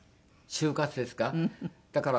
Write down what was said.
終活ですか？